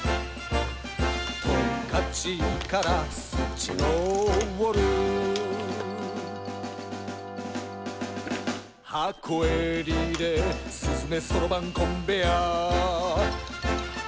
「トンカチからスチロールー」「箱へリレーすすめそろばんコンベア」